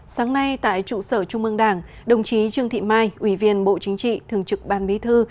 sáng nay tại trụ sở trung mương đảng đồng chí trương thị mai ủy viên bộ chính trị thường trực ban bí thư